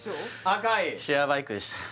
赤いシェアバイクでした